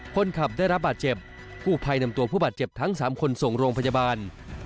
คนขับได้รับบาดเจ็บกู้ภัยนำตัวผู้บาดเจ็บทั้ง๓คนส่งโรงพยาบาล